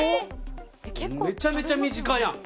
めちゃめちゃ身近やん。